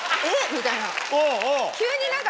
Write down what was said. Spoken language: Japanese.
みたいな。